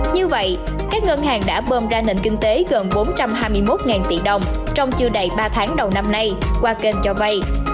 như vậy các ngân hàng đã bơm ra nền kinh tế gần bốn trăm hai mươi một tỷ đồng trong chưa đầy ba tháng đầu năm nay qua kênh cho vay